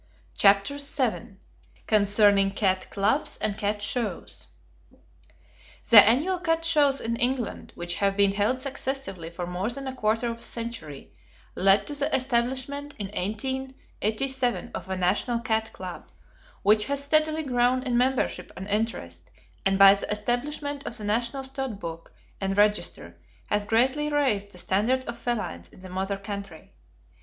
CHAPTER VII CONCERNING CAT CLUBS AND CAT SHOWS The annual cat shows in England, which have been held successively for more than a quarter of a century, led to the establishment in 1887 of a National Cat Club, which has steadily grown in membership and interest, and by the establishment of the National Stud Book and Register has greatly raised the standard of felines in the mother country.